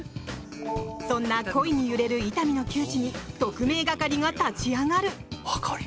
そんな恋に揺れる伊丹の窮地に特命係が立ち上がる。